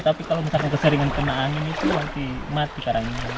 tapi kalau misalkan keseringan kena angin itu nanti mati karangnya